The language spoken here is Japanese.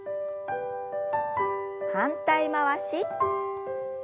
反対回し。